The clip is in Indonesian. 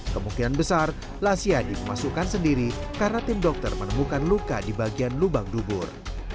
kemungkinan besar lasiadi memasukkan sendiri karena tim dokter menemukan luka di bagian lubang dubur